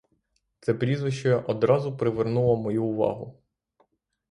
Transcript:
Це прізвище одразу привернуло мою увагу.